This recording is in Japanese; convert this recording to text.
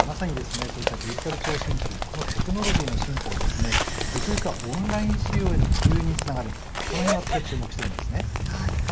まさにこういったデジタル聴診器このテクノロジーの進化がゆくゆくはオンライン診療への普及につながるこれに私は注目しています。